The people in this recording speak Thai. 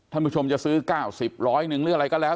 ท่านผู้ชมจะซื้อ๙๐ร้อยหนึ่งหรืออะไรก็แล้ว